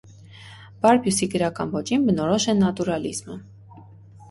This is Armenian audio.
Բարբյուսի գրական ոճին բնորոշ է նատուրալիզմը։